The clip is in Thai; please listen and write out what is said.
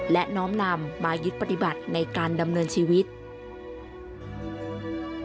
และน้อมนำมายึดปฏิบัติในการดำเนินชีวิต